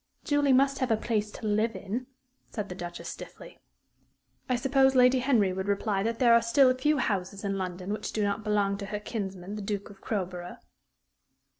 "Julie must have a place to live in," said the Duchess, stiffly. "I suppose Lady Henry would reply that there are still a few houses in London which do not belong to her kinsman, the Duke of Crowborough."